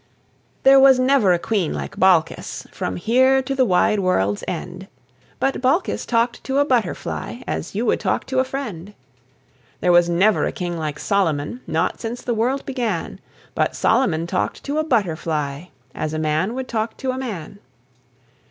There was never a Queen like Balkis, From here to the wide world's end; But Balkis talked to a butterfly As you would talk to a friend. There was never a King like Solomon, Not since the world began; But Solomon talked to a butterfly As a man would talk to a man.